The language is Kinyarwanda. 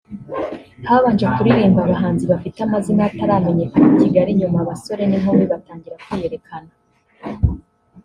habanje kuririmba abahanzi bafite amazina ataramenyekana i Kigali nyuma abasore n’inkumi batangira kwiyerekana